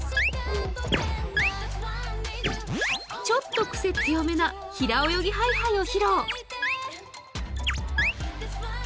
ちょっとくせ強めな平泳ぎハイハイを披露。